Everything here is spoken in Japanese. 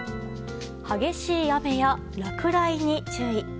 激しい雨や落雷に注意。